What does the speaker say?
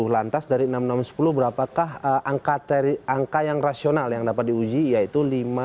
lantas dari enam enam ratus sepuluh berapakah angka yang rasional yang dapat diuji yaitu lima sembilan ratus delapan puluh lima